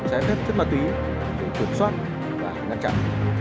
trái phép chất ma túy để kiểm soát và ngăn chặn